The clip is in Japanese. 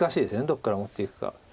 どっから持っていくか。